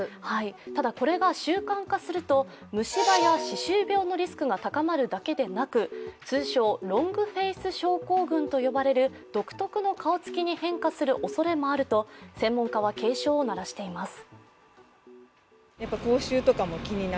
ただ、これが習慣化すると虫歯や歯周病のリスクが高まるだけでなく通称・ロングフェース症候群と呼ばれる独特の顔つきに変化するおそれもあると専門家は警鐘を鳴らしています。